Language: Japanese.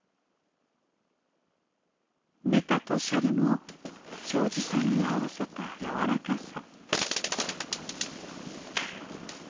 ネタとシャリも庄司さんに合わせたやわらかさ。